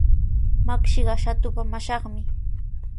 Makshiqa Shatupa mashanmi.